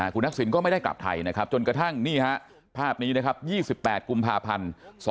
คุณทักษิณก็ไม่ได้กลับไทยนะครับจนกระทั่งนี่ฮะภาพนี้นะครับ๒๘กุมภาพันธ์๒๕๖